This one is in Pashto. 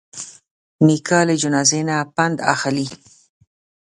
نیکه له جنازې نه پند اخلي.